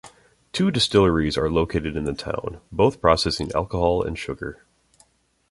Two destillaries are located in the town, both processing alcohol and sugar.